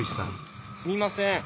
すみません。